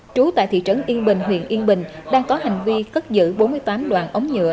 trú tại thị trấn yên bình huyện yên bình đang có hành vi cất giữ bốn mươi tám đoạn ống nhựa